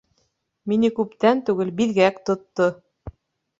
Мине күптән түгел биҙгәк тотто